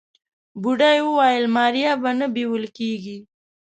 بوډۍ وويل ماريا به نه بيول کيږي.